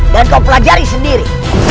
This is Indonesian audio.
dan kau pelajari sendiri